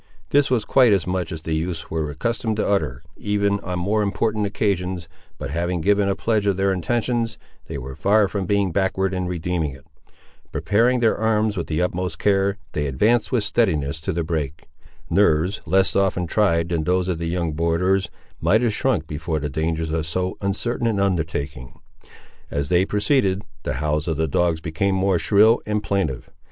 This was quite as much as the youths were accustomed to utter, even on more important occasions, but having given a pledge of their intentions, they were far from being backward in redeeming it. Preparing their arms with the utmost care, they advanced with steadiness to the brake. Nerves less often tried than those of the young borderers might have shrunk before the dangers of so uncertain an undertaking. As they proceeded, the howls of the dogs became more shrill and plaintive.